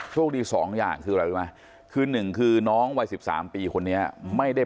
โชคดีสองอย่างคืออะไรรู้ไหมคือหนึ่งคือน้องวัย๑๓ปีคนนี้ไม่ได้